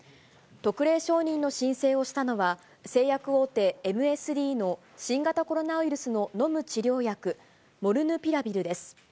特例承認の申請をしたのは、製薬大手、ＭＳＤの新型コロナウイルスの飲む治療薬、モルヌピラビルです。